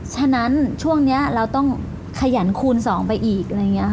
ฉะนั้นช่วงนี้เราต้องขยันคูณสองไปอีก